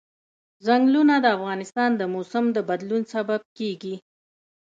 چنګلونه د افغانستان د موسم د بدلون سبب کېږي.